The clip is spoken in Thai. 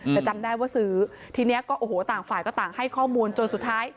แต่จำได้ว่าซื้อทีนี้ก็โอ้โหต่างฝ่ายก็ต่างให้ข้อมูลจนสุดท้าย